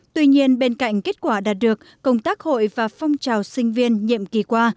tuy nhiên bên cạnh kết quả đạt được công tác hội và phong trào sinh viên nhiệm kỳ qua